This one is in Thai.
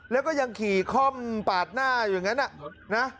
แล้วก็ยังขี่คล่อมปาดหน้าอยู่อย่างนั้นนะ